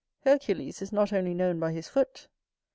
Hercules is not only known by his foot.